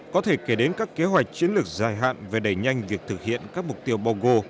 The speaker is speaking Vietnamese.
có thể kể đến các kế hoạch chiến lược dài hạn về đẩy nhanh việc thực hiện các mục tiêu bao gồm